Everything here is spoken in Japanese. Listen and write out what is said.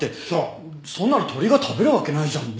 そんなの鳥が食べるわけないじゃん。